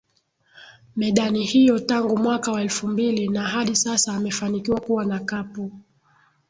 medani hiyo tangu mwaka wa elfu mbili na hadi sasa amefanikiwa kuwa na kapu